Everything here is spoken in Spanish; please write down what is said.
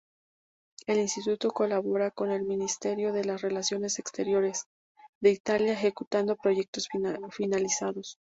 El Instituto colabora con el "Ministerio de relaciones exteriores" de Italia, ejecutando proyectos finalizados.